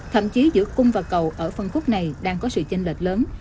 thậm chí giữa cung và cầu ở phân khúc này đang có sự chênh lệch lớn